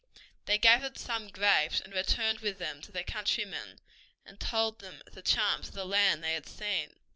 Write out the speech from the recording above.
They gathered some grapes and returned with them to their countrymen, and told them of the charms of the land they had seen.